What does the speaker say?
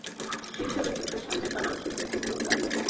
শুস্ক-ঋতুরূপে সামনের ডানার শীর্ষ তীক্ষ্ণ ও টার্মেন সোজা।